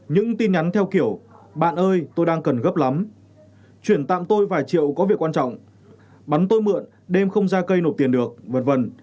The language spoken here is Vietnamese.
những tin nhắn theo kiểu bạn ơi tôi đang cần gấp lắm chuyển tạm tôi vài triệu có việc quan trọng bắn tôi mượn đêm không ra cây nộp tiền được v v